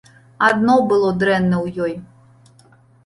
Адно было дрэнна ў ёй.